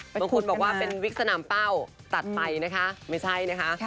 บางคนบอกว่าเป็นวิกสนามเป้าตัดไปนะคะไม่ใช่นะคะ